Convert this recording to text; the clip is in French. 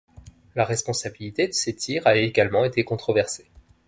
La responsabilité de ces tirs a également été controversée.